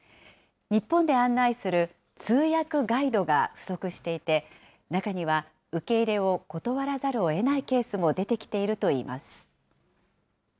日本で案内する通訳ガイドが不足していて、中には受け入れを断らざるをえないケースも出てきているといいます。